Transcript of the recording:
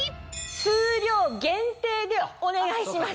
数量限定でお願いします。